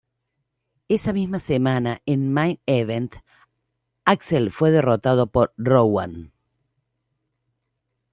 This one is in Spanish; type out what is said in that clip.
Esa misma semana en Main Event, Axel fue derrotado por Rowan.